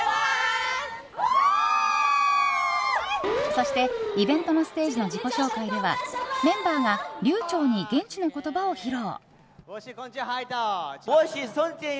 そして、イベントのステージの自己紹介ではメンバーが流暢に現地の言葉を披露。